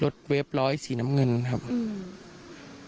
รถเวฟร้อยสีน้ำเงินครับอืม